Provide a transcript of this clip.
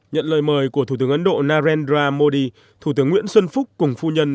nhận lời mời của thủ tướng ấn độ narendra modi thủ tướng nguyễn xuân phúc cùng phu nhân